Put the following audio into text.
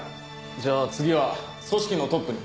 じゃあ次は組織のトップに。